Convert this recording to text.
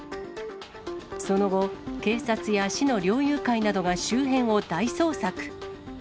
その後、警察や市の猟友会などが周辺を大捜索。